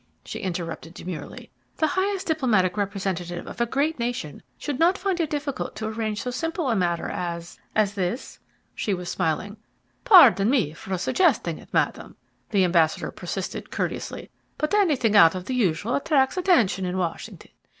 she interrupted demurely. "The highest diplomatic representative of a great nation should not find it difficult to arrange so simple a matter as as this?" She was smiling. "Pardon me for suggesting it, Madam," the ambassador persisted courteously, "but anything out of the usual attracts attention in Washington.